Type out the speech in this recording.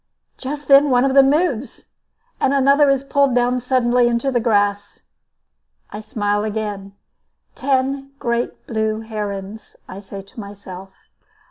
Just then one of them moves, and another is pulled down suddenly into the grass. I smile again. "Ten great blue herons," I say to myself.